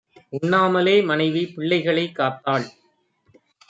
உண்ணாமலே மனைவி பிள்ளைகளைக் காத்தாள்.